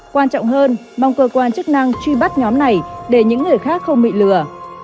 quan trọng hơn mong cơ quan chức năng truy bắt nhóm này để những người khác không bị lừa